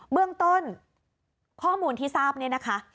เบื้องต้นข้อมูลที่ทราบเนี่ยนะคะ